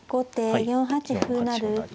後手４八歩成。